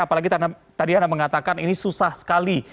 apalagi tadi anda mengatakan ini susah sekali